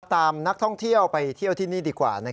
ตามนักท่องเที่ยวไปเที่ยวที่นี่ดีกว่า